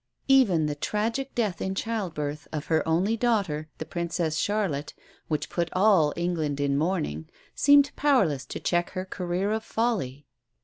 Even the tragic death in childbirth of her only daughter, the Princess Charlotte, which put all England in mourning, seemed powerless to check her career of folly.